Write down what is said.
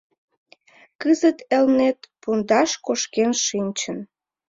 Кызыт Элнет пундаш кошкен шинчын.